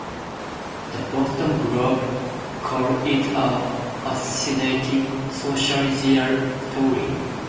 The "Boston Globe" called it a "fascinating sociological story.